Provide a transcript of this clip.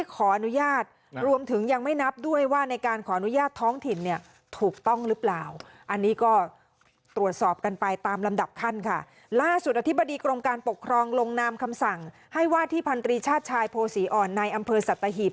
กรมการปกครองลงนามคำสั่งให้วาดที่พันธุรีชาติชายโพศีอ่อนในอำเภอสัตว์ตะหีบ